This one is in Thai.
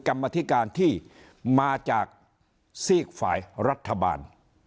กรรมธิการที่มาจากซีกฝ่ายรัฐบาล